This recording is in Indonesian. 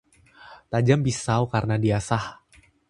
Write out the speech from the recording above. Tajam pisau karena diasah